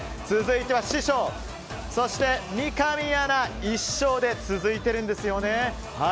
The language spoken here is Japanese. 続いては、師匠そして三上アナ、１勝で続いているんですよね。